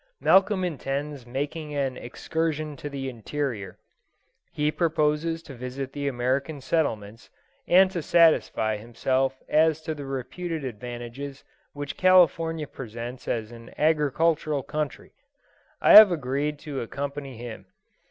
Malcolm intends making an excursion to the interior. He proposes to visit the American settlements, and to satisfy himself as to the reputed advantages which California presents as an agricultural country. I have agreed to accompany him.